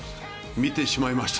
見てしまいました。